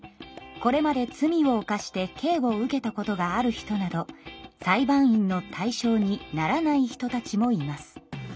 これまで罪を犯して刑を受けたことがある人など裁判員の対象にならない人たちもいます。